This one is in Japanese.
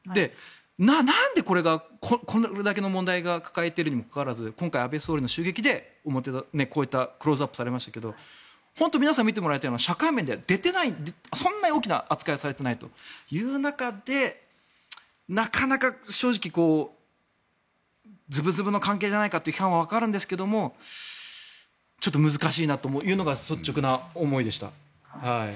なんでこれが、これだけの問題を抱えているにもかかわらず今回、安倍総理の襲撃でクローズアップされましたが本当に皆さんに見てもらいたいのは社会面ではそんなに大きな扱いをされていないという中でなかなか正直ずぶずぶの関係じゃないかという批判はわかるんですがちょっと難しいなというのが率直な思いでした。